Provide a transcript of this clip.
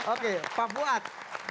oke pak buat